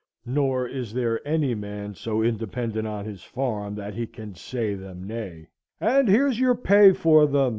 Nor is there any man so independent on his farm that he can say them nay. And here's your pay for them!